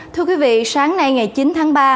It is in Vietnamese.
thưa quý vị sáng nay ngày chín tháng ba